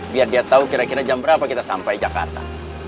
biar dia tahu kira kira jam berapa kita sampai jakarta